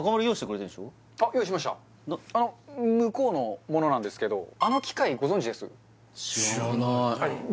これ用意しました向こうのものなんですけどあの機械ご存じです？